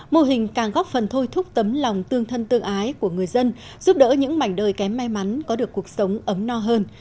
mô hình càng góp phần thôi thúc tấm lòng tương thân tương ái của người dân giúp đỡ những mảnh đời kém may mắn có được cuộc sống ấm no hơn